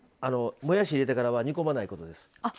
もやしを入れてからは煮込まないことです。